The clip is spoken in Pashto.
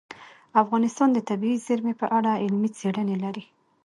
افغانستان د طبیعي زیرمې په اړه علمي څېړنې لري.